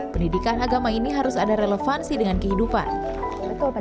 pendidikan agama ini harus ada relevansi dengan kehidupan